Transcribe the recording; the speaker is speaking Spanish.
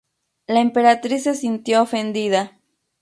La emperatriz se sintió ofendida.